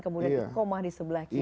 kemudian koma di sebelah kiri